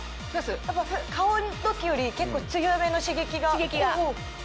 顔の時より結構強めの刺激が。